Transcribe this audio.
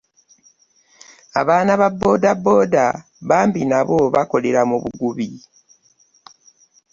Abaana ba boodabooda bambi nabo bakolera mu bugubi.